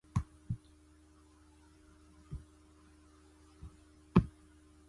中央人民政府和西藏地方政府